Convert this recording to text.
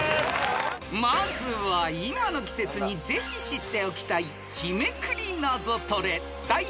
［まずは今の季節にぜひ知っておきたい日めくりナゾトレ］